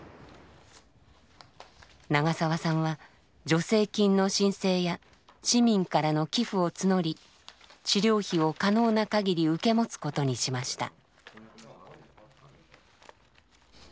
長澤さんは助成金の申請や市民からの寄付を募り治療費を可能なかぎり受け持つことにしました。